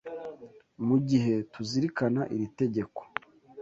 Mu gihe tuzirikana iri tegeko,